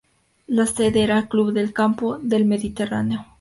La sede era el Club de Campo del Mediterráneo.